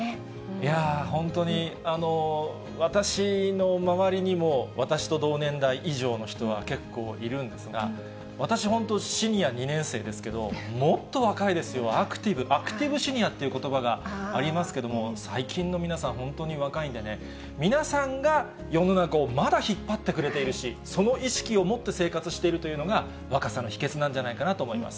いやぁ、本当に私の周りにも、私と同年代以上の人は結構いるんですが、私、本当、シニア２年生ですけど、もっと若いですよ、アクティブ、アクティブシニアということばがありますけども、最近の皆さん、本当に若いんでね、皆さんが世の中をまだ引っ張ってくれているし、その意識を持って生活しているというのが、若さの秘けつなんじゃないかなと思います。